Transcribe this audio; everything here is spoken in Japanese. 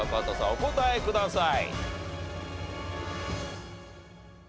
お答えください。